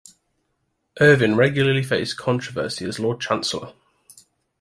Irvine regularly faced controversy as Lord Chancellor.